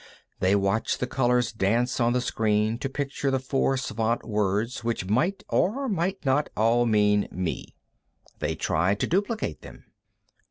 They watched the colors dance on the screen to picture the four Svant words which might or might not all mean me. They tried to duplicate them.